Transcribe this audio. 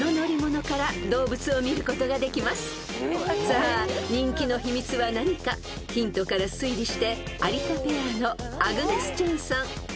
［さあ人気の秘密は何かヒントから推理して有田ペアのアグネス・チャンさんお答えください］